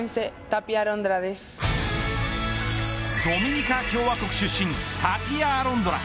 ドミニカ共和国出身タピア・アロンドラ。